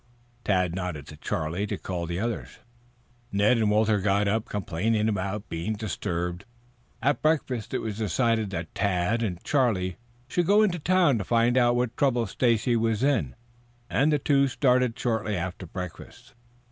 Tad nodded to Charlie to call the others. Ned and Walter got up complaining at being disturbed. At breakfast it was decided that Tad and Charlie should go into town to find out what trouble Stacy was in, and the two started shortly after breakfast.